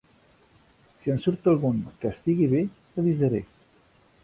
Si en surt algun, que estigui bé, l'avisaré.